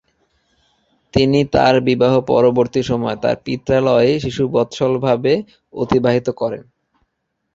তিনি তার বিবাহপরবর্তী সময় তার পিত্রালয়েই শিশুবৎসলভাবে অতিবাহিত করেন।